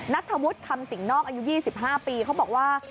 นัทธวุฒิคำสิงนอกอายุ๒๕ปีเขาบอกว่า